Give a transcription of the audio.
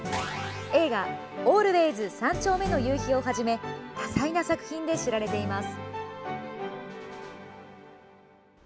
映画「ＡＬＷＡＹＳ三丁目の夕日」をはじめ多彩な作品で知られています。